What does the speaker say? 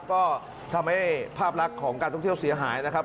ก็ทำให้ภาพลักษณ์ของการท่องเที่ยวเสียหายนะครับ